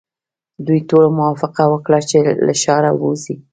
دوی ټولو موافقه وکړه چې له ښاره وځي.